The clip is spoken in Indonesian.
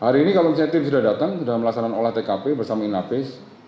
hari ini kalau misalnya tim sudah datang sudah melaksanakan olah tkp bersama inapis